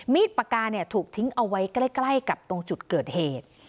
ปากกาถูกทิ้งเอาไว้ใกล้กับตรงจุดเกิดเหตุ